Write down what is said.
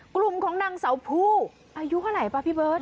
กลุ่มของนางเสาผู้อายุเท่าไหร่ป่ะพี่เบิร์ต